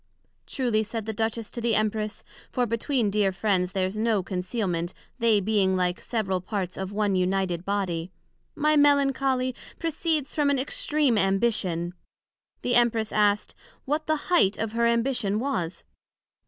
Truly, said the Duchess to the Empress, (for between dear friends there's no concealment, they being like several parts of one united body) my Melancholy proceeds from an extream Ambition. The Empress asked, What the height of her ambition was?